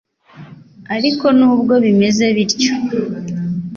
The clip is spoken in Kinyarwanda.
Ariko n'ubwo bimeze bityo